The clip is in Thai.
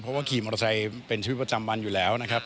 เพราะว่าขี่มอเตอร์ไซค์เป็นชีวิตประจำวันอยู่แล้วนะครับ